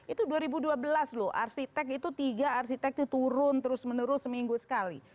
itu dua ribu dua belas loh arsitek itu tiga arsitek itu turun terus menerus seminggu sekali